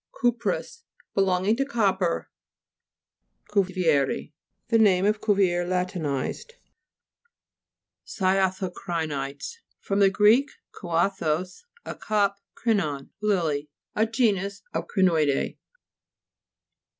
CUPROUS Belonging to copper. CUVIERI The name of Cuvier la tinized. CY'ATHOCRI'NITES fr. gr, Jcuathos, a cup, krinon, lily. A genus of crinoideae (p.